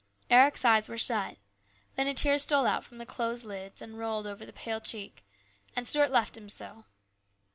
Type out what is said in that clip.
Eric's eyes were shut Then a tear stole out from the closed lids and rolled over the pale cheek, and Stuart left him so.